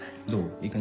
いい感じ？